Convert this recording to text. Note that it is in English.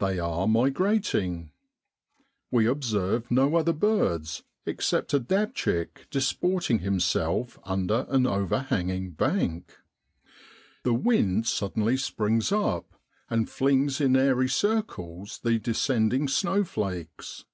They are migrating. We observe no other DECEMBER IN BROADLAND. 135 birds except a dabchick disporting himself under an overhanging bank. The wind suddenly springs up and flings in airy circles the descending snow flakes.